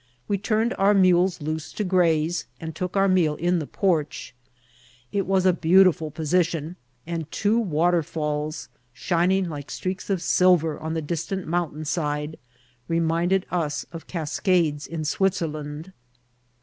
We turned our mules loose to graze, and took our meal in the porch. It was a beautiful position, and two wa* terfalls, shining like streaks of silver on the distant mountain side, reminded us of cascades in Switzerland.